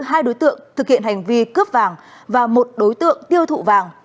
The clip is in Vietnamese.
hai đối tượng thực hiện hành vi cướp vàng và một đối tượng tiêu thụ vàng